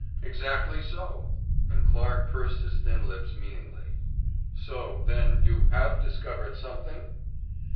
"Exactly so," and Clarke pursed his thin lips meaningly. "So, then, you have discovered something?"